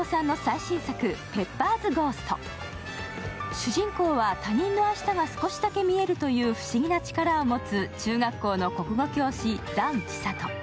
主人公は他人の明日が少しだけ見えるという不思議な力を持つ中学校の国語教師・檀千郷。